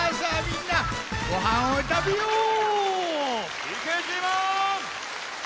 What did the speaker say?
みんなごはんをたべよう！